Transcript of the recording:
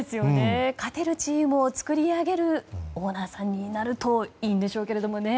勝てるチームを作り上げるオーナーさんになるといいんでしょうけどね。